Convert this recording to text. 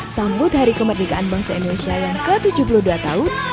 sambut hari kemerdekaan bangsa indonesia yang ke tujuh puluh dua tahun